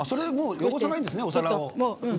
汚さないんですね、お皿を。